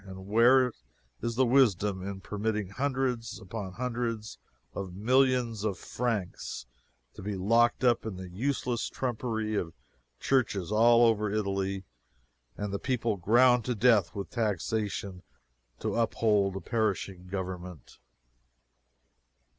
And, where is the wisdom in permitting hundreds upon hundreds of millions of francs to be locked up in the useless trumpery of churches all over Italy, and the people ground to death with taxation to uphold a perishing Government?